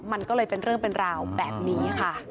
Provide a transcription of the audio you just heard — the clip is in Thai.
มันก็เลยเป็นเรื่องเป็นราวแบบนี้ค่ะ